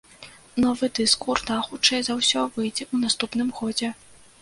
Новы дыск гурта, хутчэй за ўсё, выйдзе ў наступным годзе.